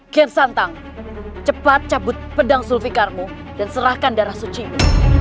kian santang cepat cabut pedang zulfikarmu dan serahkan darah sucimu